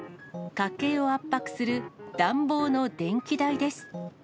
家計を圧迫する暖房の電気代です。